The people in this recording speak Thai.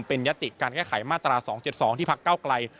เป็นยติการแก้ไขมาตรา๒๗๒ที่พักเก้าไกล